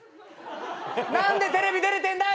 何でテレビ出れてんだ！